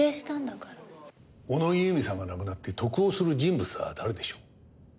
小野木由美さんが亡くなって得をする人物は誰でしょう？